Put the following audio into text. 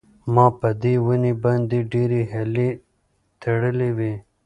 ما په دې ونې باندې ډېرې هیلې تړلې وې.